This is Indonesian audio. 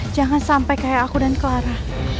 jangan sampai kayak aku dan clara